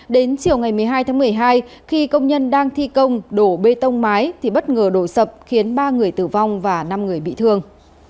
đến chiều ngày một mươi hai tháng một mươi hai khi công nhân đang thi công đổ bê tông mái thì bất ngờ đổ sập khiến ba người tử vong và năm người bị thương